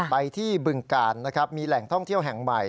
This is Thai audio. ไปที่บึงกาลนะครับมีแหล่งท่องเที่ยวแห่งใหม่